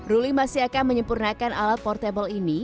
ruli masih akan menyempurnakan alat portable ini